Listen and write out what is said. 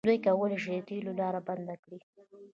دوی کولی شي د تیلو لاره بنده کړي.